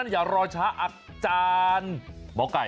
อย่ารอช้าอาจารย์หมอไก่